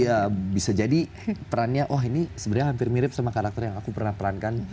iya bisa jadi perannya oh ini sebenarnya hampir mirip sama karakter yang aku pernah perankan